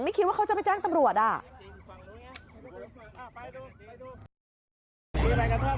ไม่คิดว่าเขาจะไปแจ้งตำรวจอ่ะฟังนู้นไงเอาไปดูไปดู